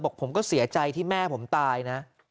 บอกว่าผมก็เสียใจที่แม่ผมตายนะ